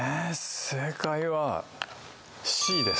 正解はＣです